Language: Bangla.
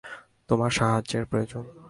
তোমার সাহায্যের প্রয়োজন।